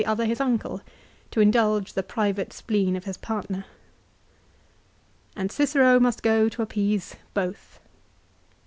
289 other his uncle to indulge the private spleen of his partner. And Cicero must go to appease both.